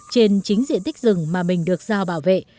trên chính diện tích rừng mà mình được giao bảo vệ